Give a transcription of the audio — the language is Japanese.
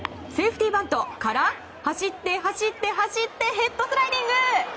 セーフティーバントから走って、走ってヘッドスライディング！